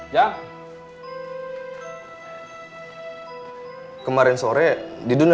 jaring terus jilin